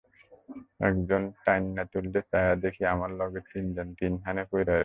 একজন টাইন্যা তুললে চাইয়া দেহি, আমার লগের তিনজন তিনহানে পইড়্যা আছে।